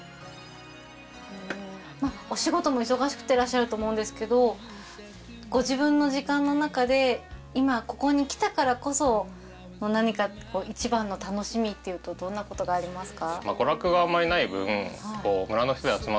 お仕事も忙しくてらっしゃると思うんですけどご自分の時間のなかで今ここに来たからこそ何かいちばんの楽しみっていうとどんなことがありますか？